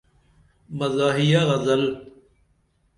مزاحیہ غزل